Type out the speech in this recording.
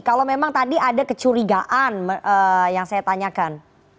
kalau memang tadi ada kecurigaan yang saya tanyakan